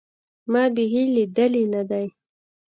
ما بيخي ليدلى نه دى.